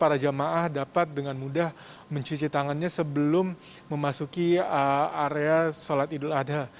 para jamaah dapat dengan mudah mencuci tangannya sebelum memasuki area sholat idul adha